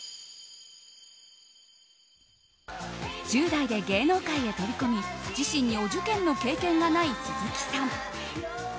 １０代で芸能界へ飛び込み自身にお受験の経験がない鈴木さん。